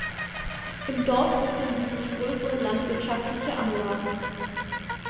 Im Dorf befinden sich größere landwirtschaftliche Anlagen.